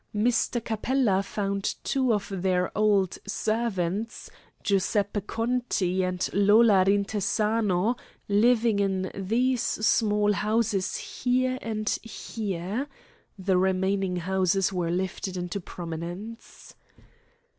Mr. Capella found two of their old servants, Giuseppe Conti and Lola Rintesano, living in these small houses here and here" (the remaining houses were lifted into prominence).